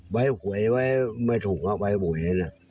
ใบหวยไว้ไม่ถูกไว้หวยนี่น่ะ